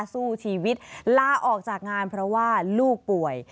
สู้ชีวิตลาออกจากงานเพราะว่าลูกป่วย